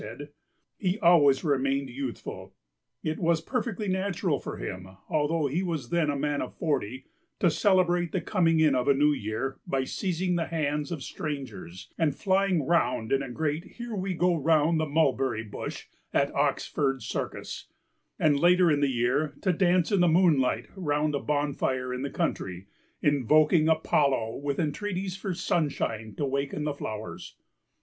And he always remained youthful. It was perfectly natural for him, although he was then a man of forty, to celebrate the coming in of a new year by seizing the hands of strangers and flying round in a great here we go round the mulberry bush at Oxford Circus, and, later in the year, to dance in the moonlight round a bonfire in the country, invoking Apollo with entreaties for sunshine to waken the flowers.